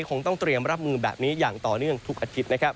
คงต้องเตรียมรับมือแบบนี้อย่างต่อเนื่องทุกอาทิตย์นะครับ